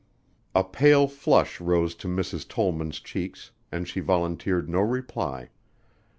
A pale flush rose to Mrs. Tollman's cheeks and she volunteered no reply.